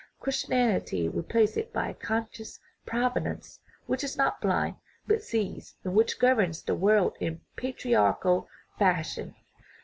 Christianity re placed it by a conscious Providence, which is not blind, but sees, and which governs the world in patriarchal fashion.